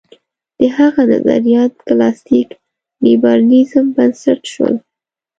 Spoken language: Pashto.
د هغه نظریات کلاسیک لېبرالېزم بنسټ شول.